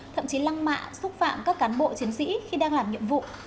thậm chí lăng mạ xúc phạm các cán bộ chiến sĩ khi đang làm nhiệm vụ